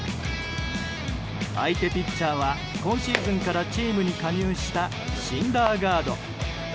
相手ピッチャーは今シーズンからチームに加入したシンダーガード。